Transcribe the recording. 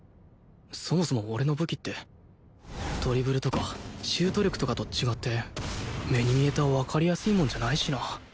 そもそも俺の武器ってドリブルとかシュート力とかと違って目に見えたわかりやすいもんじゃないしな